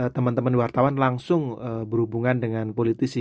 teman teman wartawan langsung berhubungan dengan politisi